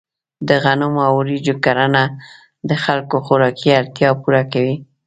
د غنمو او وریجو کرنه د خلکو خوراکي اړتیا پوره کوي.